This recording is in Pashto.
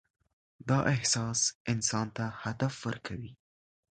دا احساس انسان ته هدف ورکوي.